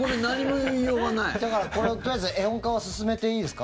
だから、とりあえず絵本化は進めていいですか？